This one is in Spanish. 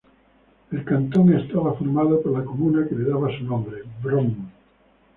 El cantón estaba formado por la comuna que le daba su nombre, Bron.